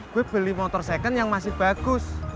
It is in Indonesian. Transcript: gue beli motor second yang masih bagus